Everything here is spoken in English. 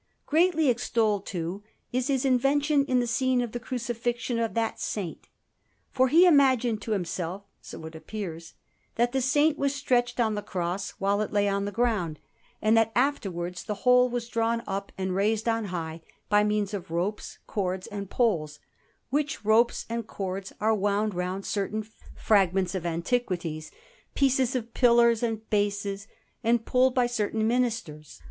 Greatly extolled, too, is his invention in the scene of the Crucifixion of that Saint, for he imagined to himself, so it appears, that the Saint was stretched on the cross while it lay on the ground, and that afterwards the whole was drawn up and raised on high by means of ropes, cords, and poles; which ropes and cords are wound round certain fragments of antiquities, pieces of pillars, and bases, and pulled by certain ministers.